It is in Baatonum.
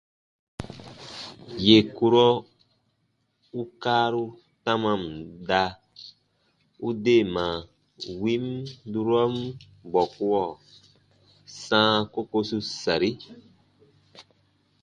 Yè kurɔ u kaaru tamam da, u deema win durɔn bɔkuɔ sãa kokosu sari.